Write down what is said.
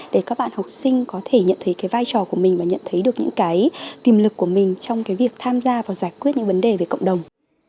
để các bạn học sinh có thể nhận thấy cái vai trò của mình và nhận thấy được những cái tìm lực của mình trong cái việc tham gia và giải quyết những vấn đề về cộng đồng